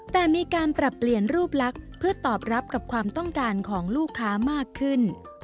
แต่มีการปรับเปลี่ยนรูปลักษณ์เพื่อตอบรับกับความต้องการของลูกค้ามากขึ้น